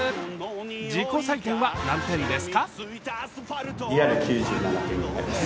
自己採点は何点ですか？